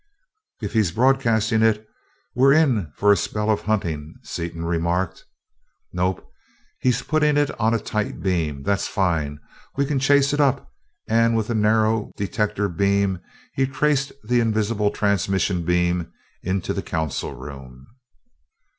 "If he's broadcasting it, we're in for a spell of hunting," Seaton remarked. "Nope, he's putting it on a tight beam that's fine, we can chase it up," and with a narrow detector beam he traced the invisible transmission beam into the council room.